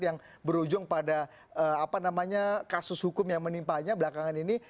yang berujung pada kasus hukum yang menimpanya belakangan ini